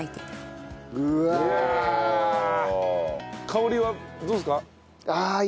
香りはどうですか？